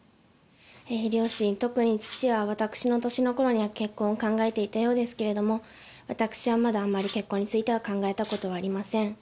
両親、特に父は私の年のころには結婚を考えていたようですけれども、私はまだあんまり結婚については考えたことはありません。